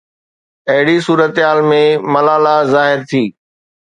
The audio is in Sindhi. اهڙي صورتحال ۾ ملالا ظاهر ٿي.